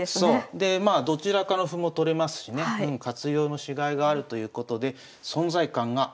でまあどちらかの歩も取れますしね活用のしがいがあるということで存在感がある。